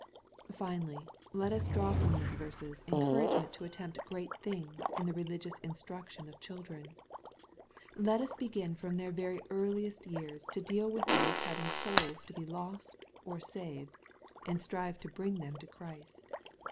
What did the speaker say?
Finally, let us draw from these verses encouragement to attempt great things in the religious instruction of children. Let us begin from their very earliest years to deal with them as having souls to be lost, or saved, and strive to" bring them to Christ.